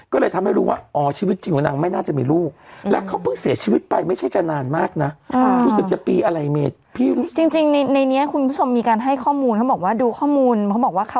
ก็เลยทำให้รู้ว่าอ๋อชีวิตจริงของนางไม่น่าจะมีลูก